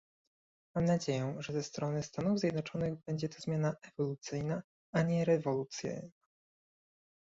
Mam nadzieję, że ze strony Stanów Zjednoczonych będzie to zmiana ewolucyjna, a nie rewolucyjna